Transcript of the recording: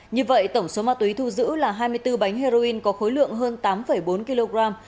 như vậy tổng số ma túy thu giữ là hai mươi bốn bánh heroin có khối lượng hơn tám bốn kg